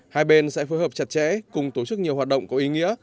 hai bên sẽ phù hợp chặt chẽ cùng tổ chức nhiều hoạt động có ý nghĩa